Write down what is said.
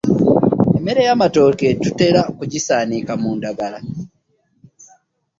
Emmere ya matooke tutera ku gisanika mundagala.